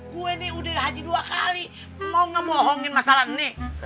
gue ini udah haji dua kali mau ngebohongin masalah nih